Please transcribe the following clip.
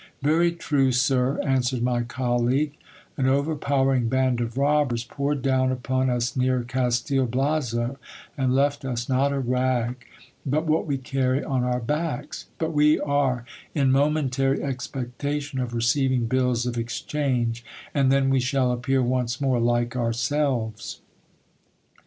Very true, sir, answered my colleague ; an overpowering band of robbers poured down upon us near Castil Blazo, and left us not a rag but what we carry on our backs : but we are in momentary expectation of receiving bills of exchange, and then wt shall appear once more like ourselves.